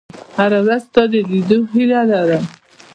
• هره ورځ ستا د لیدو هیله لرم.